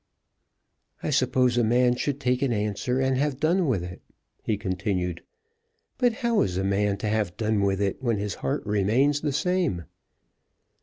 "I suppose a man should take an answer and have done with it," he continued. "But how is a man to have done with it, when his heart remains the same?"